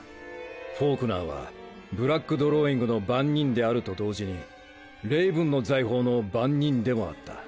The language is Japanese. フォークナーはブラック・ドローイングの番人であると同時にレイブンの財宝の番人でもあった。